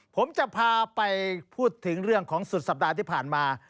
ผมจะพาไปพูดถึงเรื่องของสุดสัปดาห์ที่ผ่านมา